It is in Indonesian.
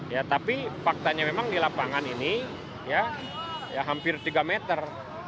ya tapi faktanya memang di lapangan ini ya hampir tiga meter